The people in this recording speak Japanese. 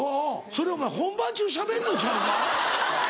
それお前本番中にしゃべんのんちゃうか？